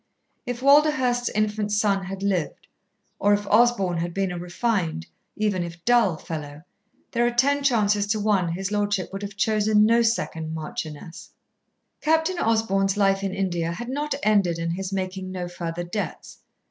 If Walderhurst's infant son had lived, or if Osborn had been a refined, even if dull, fellow, there are ten chances to one his lordship would have chosen no second marchioness. Captain Osborn's life in India had not ended in his making no further debts.